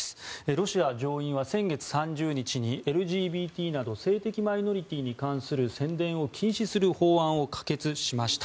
ロシア上院は先月３０日にＬＧＢＴなど性的マイノリティーに関する宣伝を禁止する法案を可決しました。